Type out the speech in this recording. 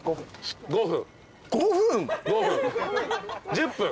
１０分。